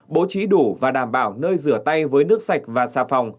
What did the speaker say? bố trí đủ và đảm bảo nơi rửa tay với nước sạch và xà phòng